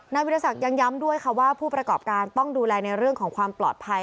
วิทยาศักดิ์ยังย้ำด้วยค่ะว่าผู้ประกอบการต้องดูแลในเรื่องของความปลอดภัย